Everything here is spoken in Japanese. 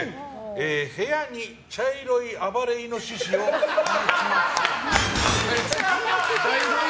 部屋に茶色い暴れイノシシを放ちましょう。